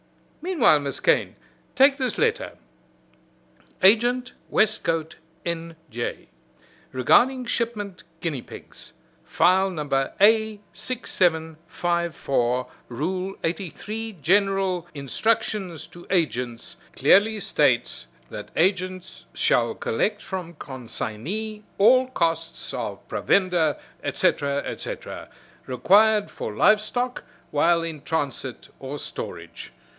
Meanwhile, Miss Kane, take this letter: Agent, Westcote, N. J. Regarding shipment guinea pigs, File No. A6754. Rule 83, General Instruction to Agents, clearly states that agents shall collect from consignee all costs of provender, etc., etc., required for live stock while in transit or storage.